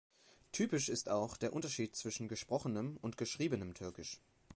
Typisch ist auch der Unterschied zwischen gesprochenem und geschriebenem Türkisch.